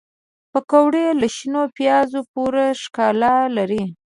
پکورې له شنو پیازو پوره ښکلا لري